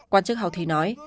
quan chức houthi nói